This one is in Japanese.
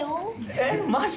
えっマジ？